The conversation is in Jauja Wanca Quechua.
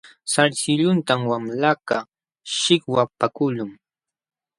Sarsilluntam wamlakaq shikwapakuqlun.